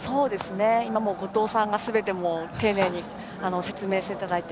後藤さんにすべて丁寧に説明していただいて。